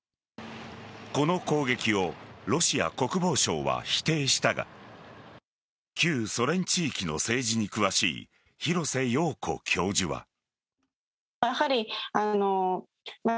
この攻撃をロシア国防省は否定したが旧ソ連地域の政治に詳しい廣瀬陽子教授は。